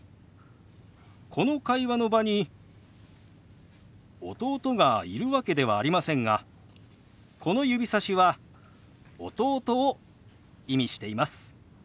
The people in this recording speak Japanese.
この会話の場に弟がいるわけではありませんがこの指さしは弟を意味しています。